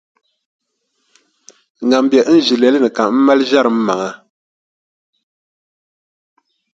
Ŋan be n ʒilɛli ni ka m mali n-ʒiɛri m maŋa.